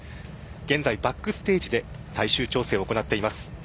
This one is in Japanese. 現在バックステージで最終調整を行っています。